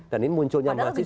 dan ini munculnya mahasiswa